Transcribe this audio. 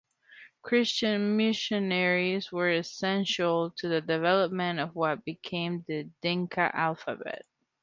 Christian missionaries were essential to the development of what became the Dinka alphabet.